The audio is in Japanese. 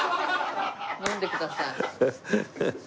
飲んでください。